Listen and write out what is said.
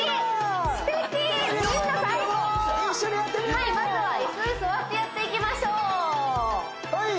はいまずは椅子へ座ってやっていきましょうはい！